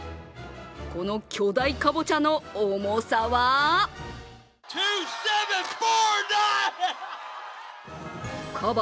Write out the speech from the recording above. この巨大かぼちゃの重さはカバ